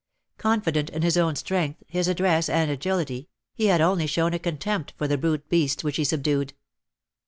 Confident in his own strength, his address, and agility, he had only shown a contempt for the brute beast which he subdued.